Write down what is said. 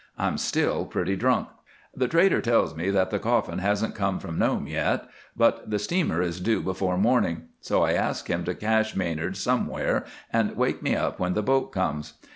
I'm still pretty drunk. "The trader tells me that the coffin hasn't come from Nome yet. But the steamer is due before morning, so I ask him to cache Manard somewhere and wake me up when the boat comes.